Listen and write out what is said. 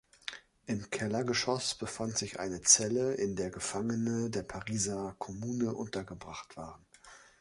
Im Kellergeschoss befand sich eine Zelle, in der Gefangene der Pariser Kommune untergebracht waren.